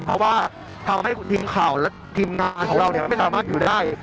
เพราะว่าทำให้ทีมข่าวและทีมงานของเราไม่สามารถอยู่ได้